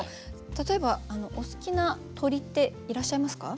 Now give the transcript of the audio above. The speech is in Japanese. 例えばお好きな鳥っていらっしゃいますか？